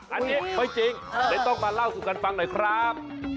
อันนี้ไม่จริงเดี๋ยวต้องมาเล่าสู่กันฟังหน่อยครับ